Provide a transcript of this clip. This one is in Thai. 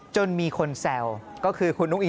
จนมีคนแซวก็คือคุณอุ้งอิง